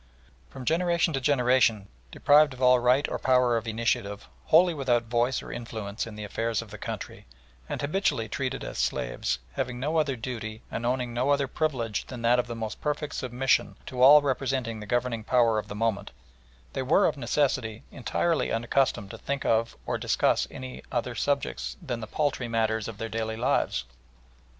From generation to generation deprived of all right or power of initiative, wholly without voice or influence in the affairs of the country, and habitually treated as slaves, having no other duty and owning no other privilege than that of the most perfect submission to all representing the governing power of the moment, they were of necessity entirely unaccustomed to think of or discuss any other subjects than the paltry matters of their daily lives.